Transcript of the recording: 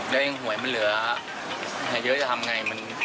เดี๋ยวเองหวยมันเหลือให้เยอะจะทำยังไง